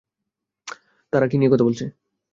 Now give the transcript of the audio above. তারা কী নিয়ে কথা বলছে?